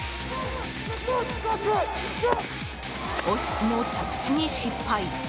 惜しくも着地に失敗。